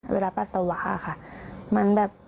เวลาปลักษะวะค่ะ